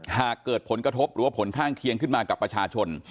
หากเกิดผลกระทบหรือว่าผลข้างเคียงขึ้นมากับประชาชน